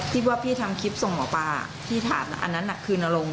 ที่ว่าพี่ทำคลิปส่งหมอปลาพี่ถามนะอันนั้นน่ะคือนรงค